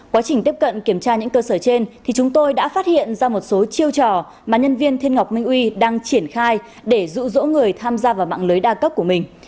quá trình tiếp cận kiểm tra những cơ sở trên thì chúng tôi đã phát hiện ra một số chiêu trò mà nhân viên thiên ngọc minh uy đang triển khai để dụ dỗ người tham gia vào mạng lưới đa cấp của mình